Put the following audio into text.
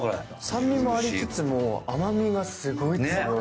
酸味もありつつも、甘みがすごいですね。